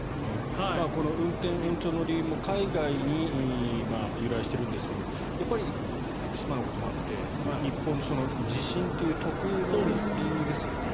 この運転延長の理由も海外に由来しているんですけどやっぱり、福島のこともあって日本の地震という特有の理由ですよね。